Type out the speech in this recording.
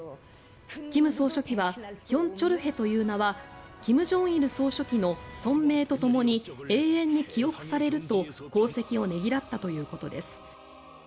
金総書記はヒョン・チョルヘという名は金正日総書記の尊名とともに永遠に記憶されると功績をねぎらったということです。